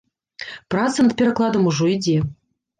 Праца над перакладам ужо ідзе.